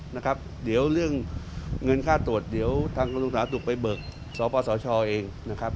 เหลือเรื่องเงินค่าตรวจเด๋วทางต้องจับไปเบิกสปสชเอก